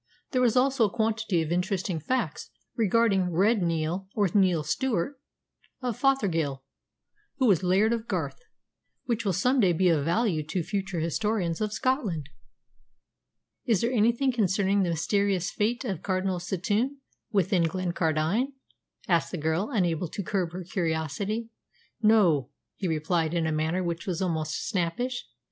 There are also a quantity of interesting facts regarding 'Red Neil,' or Neil Stewart of Fothergill, who was Laird of Garth, which will some day be of value to future historians of Scotland." "Is there anything concerning the mysterious fate of Cardinal Setoun within Glencardine?" asked the girl, unable to curb her curiosity. "No," he replied in a manner which was almost snappish.